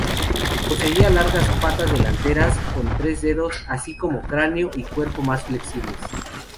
Poseía largas patas delanteras con tres dedos, así como cráneo y cuerpo más flexibles.